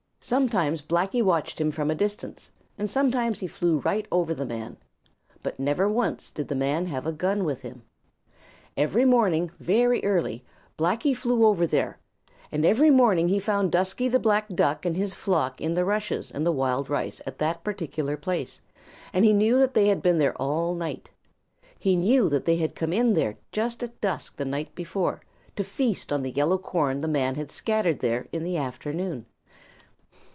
Sometimes Blacky watched from a distance, and sometimes he flew right over the man. But never once did the man have a gun with him. Every morning, very early, Blacky flew over there, and every morning he found Dusky the Black Duck and his flock in the rushes and wild rice at that particular place, and he knew that they had been there all night, He knew that they had come in there just at dusk the night before, to feast on the yellow corn the man had scattered there in the afternoon.